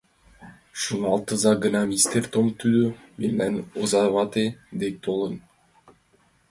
Шоналтыза гына, мистер Том, тудо... мемнан озавате дек толын!